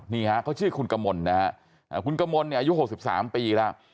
นี่ฮะเขาชื่อคุณกมลนะฮะคุณกมลเนี่ยอายุ๖๓ปีแล้ว